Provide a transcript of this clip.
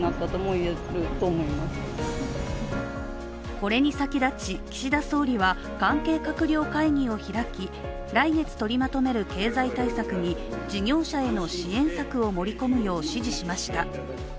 これに先立ち、岸田総理は関係閣僚会議を開き、来月取りまとめる経済対策に事業者への支援策を盛り込むよう指示しました。